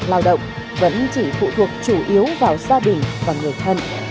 lao động vẫn chỉ phụ thuộc chủ yếu vào gia đình và người thân